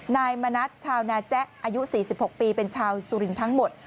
นายมณัฐชาวนาแจ๊อายุ๔๖ปีเป็นชาวสุรินทร์ทั้งหมด